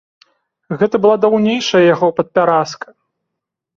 Гэта была даўнейшая яго падпяразка.